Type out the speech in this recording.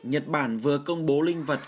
nhật bản vừa công bố linh vật